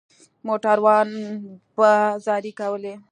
موټروان به زارۍ کولې.